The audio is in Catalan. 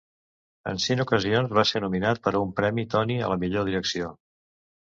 En cinc ocasions va ser nominat per a un premi Tony a la millor direcció.